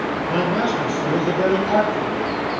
'My master, sir, is a very artful man.